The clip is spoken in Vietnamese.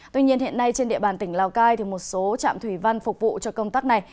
tuy nhiên hiện nay trên địa bàn tỉnh lào cai một số trạm thủy văn phục vụ cho công tác này